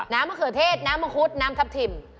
มะเขือเทศน้ำมังคุดน้ำทับทิม